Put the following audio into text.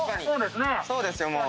そうですよ。